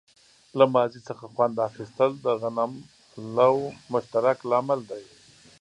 له ماضي څخه خوند اخیستل د غنملو مشترک لامل دی.